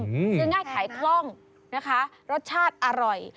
ซื้อง่ายขายคล่องนะคะรสชาติอร่อย